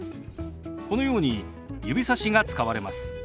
このように指さしが使われます。